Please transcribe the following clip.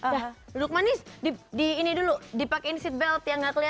duduk manis di ini dulu dipakein seatbelt yang nggak keliatan